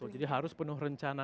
jadi harus penuh rencana